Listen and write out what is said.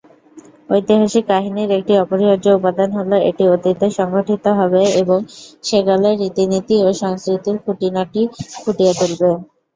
ঐতিহাসিক কাহিনির একটি অপরিহার্য উপাদান হলো এটি অতীতে সংঘটিত হবে এবং সেকালের রীতিনীতি ও সংস্কৃতির খুঁটিনাটি ফুটিয়ে তুলবে।